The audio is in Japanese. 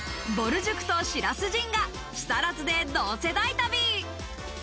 ぼる塾と白洲迅が木更津で同世代旅。